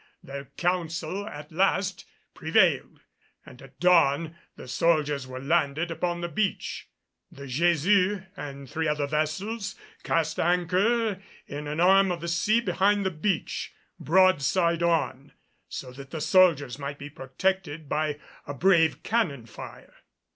Their counsel at last prevailed, and at dawn the soldiers were landed upon the beach. The Jesus and three other vessels cast anchor in an arm of the sea behind the beach, broadside on, so that the soldiers might be protected by a brave cannon fire.